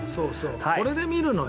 これで見るのよ。